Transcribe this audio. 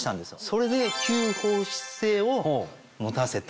それで吸放湿性を持たせた